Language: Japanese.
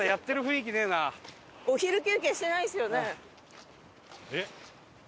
お昼休憩してないですよね？